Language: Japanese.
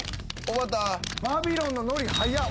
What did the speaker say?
バビロンのノリはやっ。